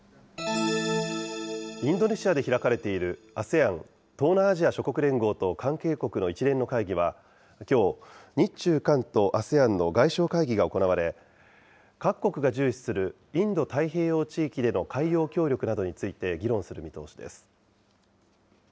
インドネシアで開かれているＡＳＥＡＮ・東南アジア諸国連合と関係国の一連の会議は、きょう、日中韓とＡＳＥＡＮの外相会議が行われ、各国が重視するインド太平洋地域での海洋協力などについて議論する見通しです。